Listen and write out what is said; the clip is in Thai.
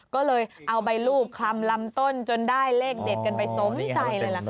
ก็เลยเอาใบรูปคลำลำต้นจนได้เลขเด็ดกันไปสมใจเลยล่ะค่ะ